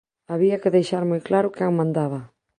Había que deixar moi claro quen mandaba.